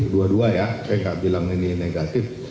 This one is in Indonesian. dua dua ya saya enggak bilang ini negatif